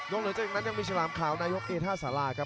หลังจากนั้นยังมีฉลามขาวนายกเอท่าสาราครับ